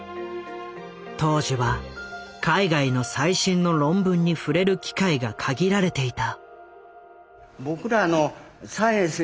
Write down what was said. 当時は海外の最新の論文に触れる機会が限られていた。